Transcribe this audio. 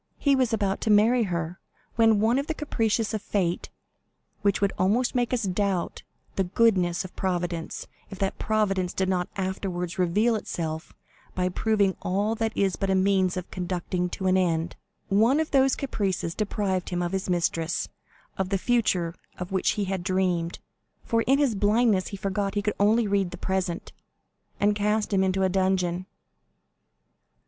He was about to marry her, when one of the caprices of fate,—which would almost make us doubt the goodness of Providence, if that Providence did not afterwards reveal itself by proving that all is but a means of conducting to an end,—one of those caprices deprived him of his mistress, of the future of which he had dreamed (for in his blindness he forgot he could only read the present), and cast him into a dungeon."